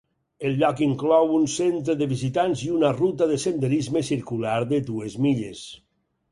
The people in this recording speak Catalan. El lloc inclou un centre de visitants i una ruta de senderisme circular de dues milles.